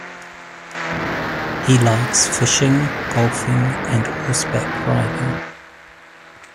He liked fishing, golfing, and horseback riding.